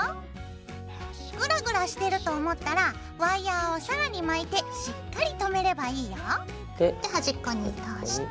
グラグラしてると思ったらワイヤーを更に巻いてしっかりとめればいいよ。で端っこに通して。